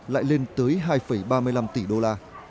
lại lên tới hai ba mươi năm tỷ đô la